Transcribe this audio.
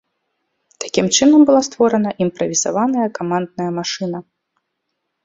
Такім чынам была створана імправізаваная камандная машына.